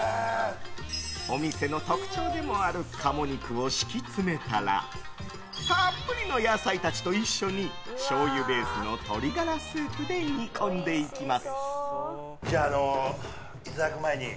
お店の特徴でもある鴨肉を敷き詰めたらたっぷりの野菜たちと一緒にしょうゆベースの鶏ガラスープで煮込んでいきます。